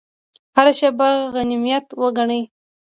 هره شیبه غنیمت وګڼئ